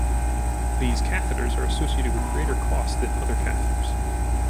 These catheters are associated with greater cost than other catheters.